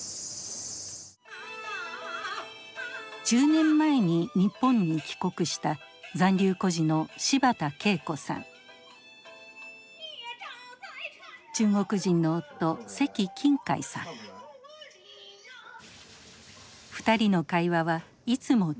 １０年前に日本に帰国した残留孤児の中国人の夫２人の会話はいつも中国語。